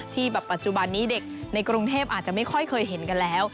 ปัจจุบันนี้เด็กในกรุงเทพอาจจะไม่ค่อยเคยเห็นกันแล้ว